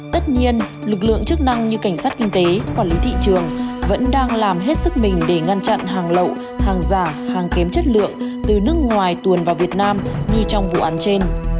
tất nhiên lực lượng chức năng như cảnh sát kinh tế quản lý thị trường vẫn đang làm hết sức mình để ngăn chặn hàng lậu hàng giả hàng kém chất lượng từ nước ngoài tuồn vào việt nam như trong vụ án trên